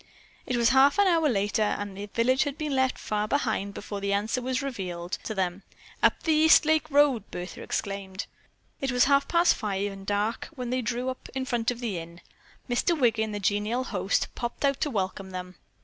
It was half an hour later, and the village had been left far behind before the answer was revealed to them. "Up the East Lake Road!" Bertha exclaimed. It was half past five and dark when they drew up in front of the Inn. Mr. Wiggin, the genial host, popped out to welcome them.